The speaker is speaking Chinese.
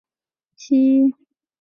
曼比季为该区的首府。